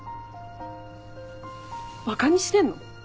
バカにしてんの？